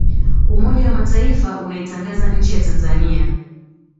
umoja wa mataifa unaitangaza nchi ya tanzania